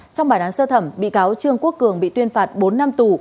trong bài đoán sơ thẩm bị cáo trương quốc cường bị tuyên phạt bốn năm tù